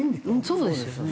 そうですよね。